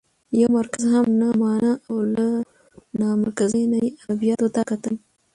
يو مرکز هم نه مانه او له نامرکزۍ نه يې ادبياتو ته کتل؛